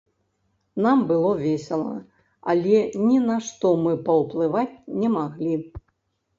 Нам было весела, але ні на што мы паўплываць не маглі.